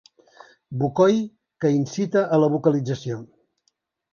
Bocoi que incita a la vocalització.